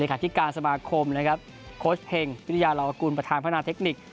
เลขาที่การสมาคมโค้ชเฮงวิทยาลอกรุณประธานพัฒนาเทคนิค